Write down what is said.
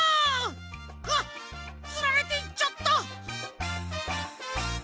あっつられていっちゃった。